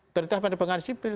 otoritas penerbangan sipil